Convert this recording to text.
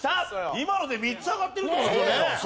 今ので３つ上がってるって事ですよね。